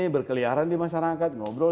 berkeliaran di masyarakat ngobrol